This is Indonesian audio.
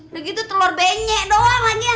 lagi tuh telur benyek doang lagi yang ada